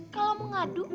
kalau mau ngadu